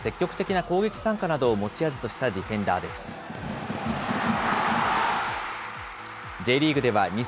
積極的な攻撃参加などを持ち味としたディフェンダーです。